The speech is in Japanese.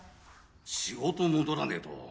仕事戻らねぇと。